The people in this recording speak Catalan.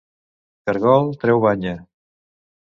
Caragol, treu banya...!